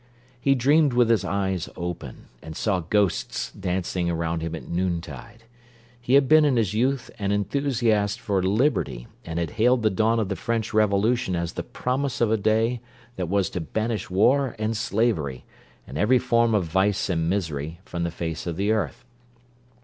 He dreamed with his eyes open, and saw ghosts dancing round him at noontide. He had been in his youth an enthusiast for liberty, and had hailed the dawn of the French Revolution as the promise of a day that was to banish war and slavery, and every form of vice and misery, from the face of the earth.